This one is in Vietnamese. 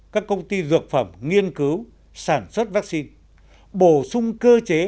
các công ty dược phẩm nghiên cứu sản xuất vaccine bổ sung cơ chế